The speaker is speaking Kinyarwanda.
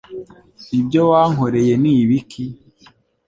ibyo wankoreye ni ibiki